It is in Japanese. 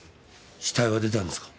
死体は出たんですか？